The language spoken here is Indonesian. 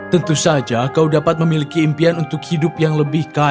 tentu saja kau dapat memiliki impian untuk hidup yang lebih kaya